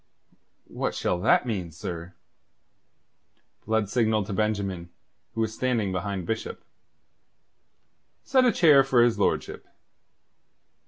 "What shall that mean, sir?" Blood signalled to Benjamin, who was standing behind Bishop. "Set a chair for his lordship.